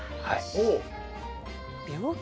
おお！